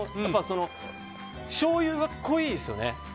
しょうゆ、濃いですよね。